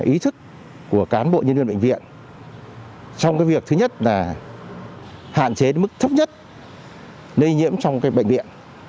ý thức của cán bộ nhân viên bệnh viện trong việc thứ nhất là hạn chế đến mức thấp nhất lây nhiễm trong bệnh viện